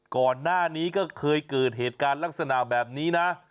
ก่อนหน้านี้ก็เคยเกิดเหตุการณ์ลักษณะแบบนี้นะ